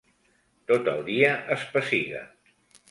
Tot el dia es pessiga.